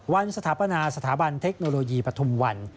สถาปนาสถาบันเทคโนโลยีปฐุมวัน